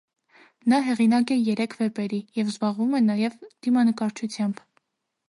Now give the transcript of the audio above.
Նա հեղինակ է երեք վեպերի և զբաղվում է նաև դիմանկարչությամբ։